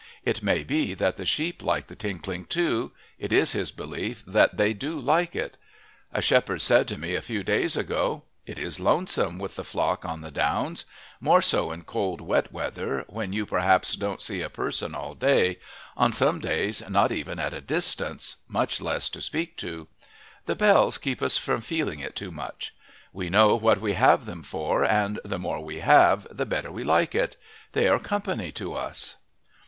It may be that the sheep like the tinkling too it is his belief that they do like it. A shepherd said to me a few days ago: "It is lonesome with the flock on the downs; more so in cold, wet weather, when you perhaps don't see a person all day on some days not even at a distance, much less to speak to. The bells keep us from feeling it too much. We know what we have them for, and the more we have the better we like it. They are company to us."